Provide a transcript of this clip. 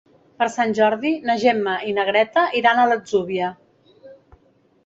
Per Sant Jordi na Gemma i na Greta iran a l'Atzúbia.